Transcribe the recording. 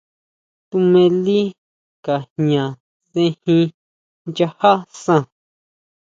Tuʼmili Ka jña sejin nchaja san.